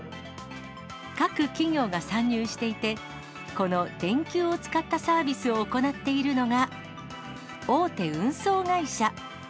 各企業が参入していて、この電球を使ったサービスを行っているのが、大手運送会社。